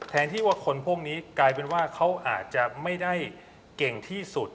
ที่ว่าคนพวกนี้กลายเป็นว่าเขาอาจจะไม่ได้เก่งที่สุด